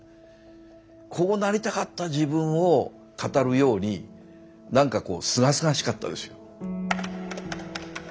こうなりたかった自分を語るようになんかこうすがすがしかったですよ。